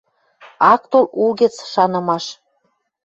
Ак тол угӹц шанымаш...